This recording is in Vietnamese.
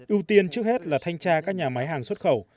ưu tiên trước hết là thanh tra các nhà máy hàng xuất khẩu